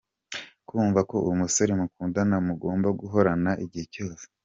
Kumva ko umusore mukundana mugomba guhorana igihe cyose.